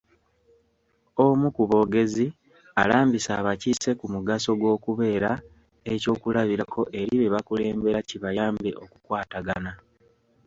Omu ku boogezi, alambise abakiise ku mugaso gw'okubeera eky'okulabirako eri bebakulembera kibayambe okukwatagana.